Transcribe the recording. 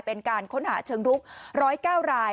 เป็นการค้นหาเชิงรุก๑๐๙ราย